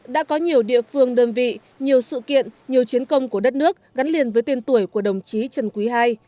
đã có nhiều địa phương đơn vị nhiều sự kiện nhiều chiến công của đất nước gắn liền với tiên tuổi của đồng chí trần quý ii